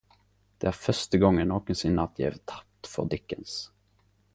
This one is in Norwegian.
Det er første gongen nokonsinne at eg gjev tapt for Dickens.